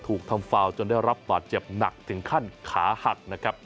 ถูกทำฟาวจนได้รับบาดเจ็บหนักถึงขั้นขาหักนะครับ